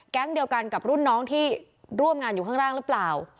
เดียวกันกับรุ่นน้องที่ร่วมงานอยู่ข้างล่างหรือเปล่า